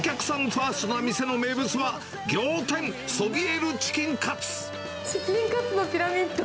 ファーストの店の名物は、仰天、そびえるチキンカツ。